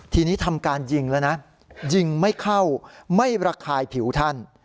ทีนี้ทำการยิงแล้วนะยิงไม่เข้าไม่ระคายผิวท่าน